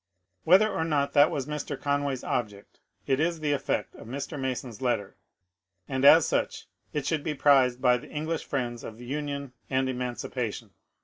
Whether or not that was Mr. Conway's object, it is the effect of Mr. Mason's letter, and as such it should be prized by the English friends of Union and Ennncipation.